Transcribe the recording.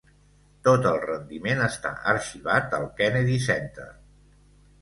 Tot el rendiment està arxivat al Kennedy Center.